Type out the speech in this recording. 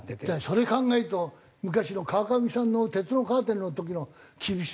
それ考えると昔の川上さんの哲のカーテンの時の厳しさってすごいね。